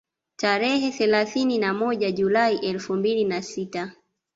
Tarehe thelathini na moja Julai elfu mbili na sita